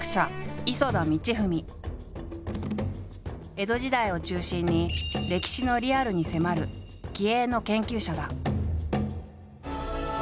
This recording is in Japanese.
江戸時代を中心に歴史のリアルに迫る気鋭の研究者だ。